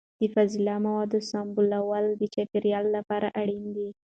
د فاضله موادو سمبالول د چاپیریال لپاره اړین دي.